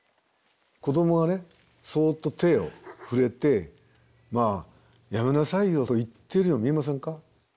子どもがそっと手を触れて「まあやめなさいよ」と言っているように見えませんか？